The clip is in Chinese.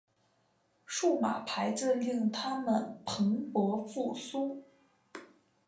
数码排字令它们蓬勃复苏。